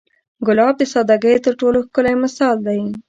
ګلاب د سادګۍ تر ټولو ښکلی مثال دی.